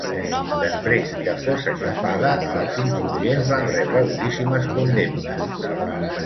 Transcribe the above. Després que fos aixafada, els insurgents van rebre duríssimes condemnes.